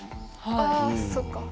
あそっか！